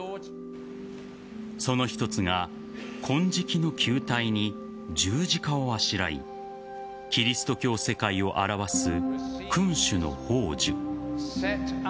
その一つが金色の球体に十字架をあしらいキリスト教世界を表す君主の宝珠。